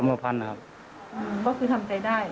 อ๋อตอนนี้เราเป็นสาวคือเนี่ย